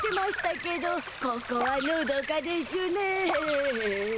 ここはのどかでしゅねえ。